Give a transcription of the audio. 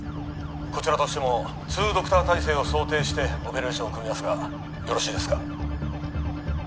こちらとしても２ドクター体制を想定してオペレーションを組みますがよろしいですか？